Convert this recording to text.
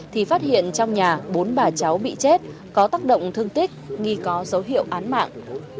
thì phát hiện trong nhà bốn bà cháu bị chết có tác động thương tích nghi có dấu hiệu án mạng